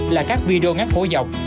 là các video ngắn khổ dọc